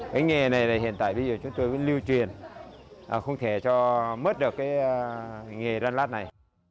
cái nghề này hiện tại bây giờ chúng tôi lưu truyền không thể cho mất được cái nghề đan lát này